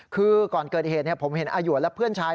คือก่อนเกิดเหตุผมเห็นอายวนและเพื่อนชาย